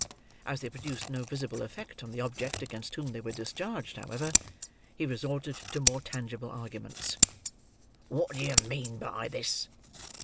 As they produced no visible effect on the object against whom they were discharged, however, he resorted to more tangible arguments. "What do you mean by this?"